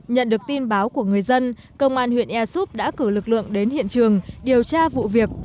nhận được tin báo của người dân công an huyện ea súp đã cử lực lượng đến hiện trường điều tra vụ việc